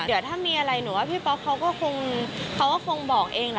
เดี๋ยวถ้ามีอะไรหนูว่าพี่ป๊อปเขาก็คงบอกเอง